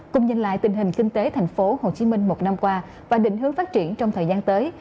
cùng nhìn lại tình hình kinh tế thành phố hồ chí minh một năm qua và định hướng phát triển trong thời gian tới